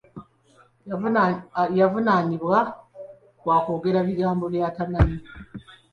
Yavunnaanibwa gwa kwogera bigambo by’atamanyi.